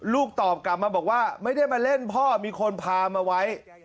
ลูกตอบกลับมาบอกว่าไม่ได้มาเล่นพ่อมีคนพามาไว้